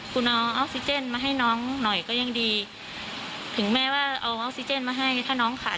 เสียใจไงถ้าว่าช่วยอะไรลูกได้หรือไม่ได้ไง